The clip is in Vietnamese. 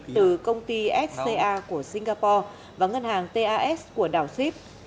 từ công ty sca của singapore và ngân hàng tas của đảo sip